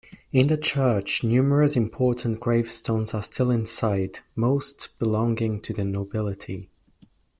In the church numerous important gravestones are still inside, most belonging to the nobility.